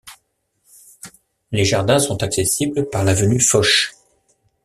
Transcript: Les jardins sont accessibles par l'avenue Foch.